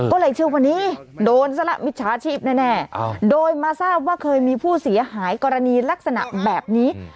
ก็เลยเชื่อว่านี้โดนซะละมิจฉาชีพแน่โดยมาทราบว่าเคยมีผู้เสียหายกรณีลักษณะแบบนี้